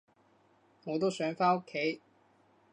我都想返屋企